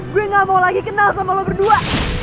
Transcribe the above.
gue gak mau lagi kenal sama lo berdua